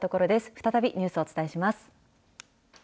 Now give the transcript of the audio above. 再びニュースをお伝えします。